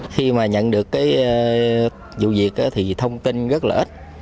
khi mà nhận được cái vụ việc thì thông tin rất là ít